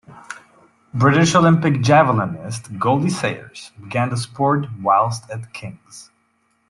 British Olympic javelinist Goldie Sayers began the sport whilst at King's.